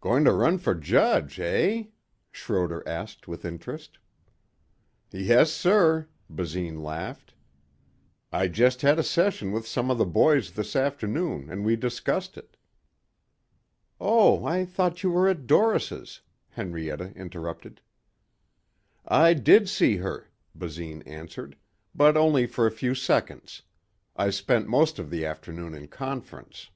"Going to run for Judge, eh?" Schroder asked with interest. "Yes sir," Basine laughed. "I just had a session with some of the boys this afternoon and we discussed it." "Oh, I thought you were at Doris'," Henrietta interrupted. "I did see her," Basine answered, "but only for a few seconds. I spent most of the afternoon in conference."